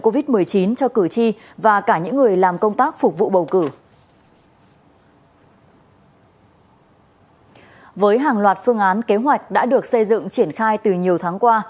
với hàng loạt phương án kế hoạch đã được xây dựng triển khai từ nhiều tháng qua